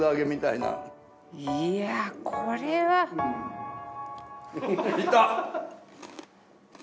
いやこれは。いった！